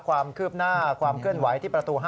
ความคืบหน้าความเคลื่อนไหวที่ประตู๕